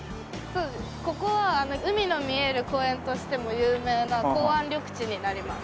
ここは海の見える公園としても有名な港湾緑地になります。